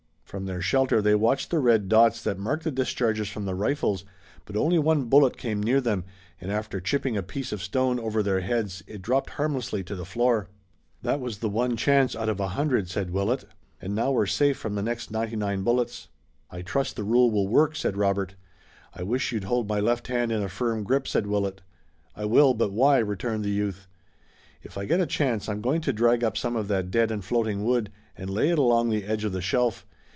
From their shelter they watched the red dots that marked the discharges from the rifles, but only one bullet came near them, and after chipping a piece of stone over their heads it dropped harmlessly to the floor. "That was the one chance out of a hundred," said Willet, "and now we're safe from the next ninety nine bullets." "I trust the rule will work," said Robert. "I wish you'd hold my left hand in a firm grip," said Willet. "I will, but why?" returned the youth. "If I get a chance I'm going to drag up some of that dead and floating wood and lay it along the edge of the shelf.